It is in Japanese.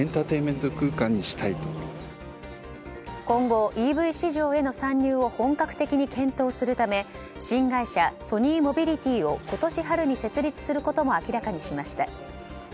今後、ＥＶ市場への参入を本格的に検討するため新会社ソニーモビリティを今年春に設立することも明らかにしました。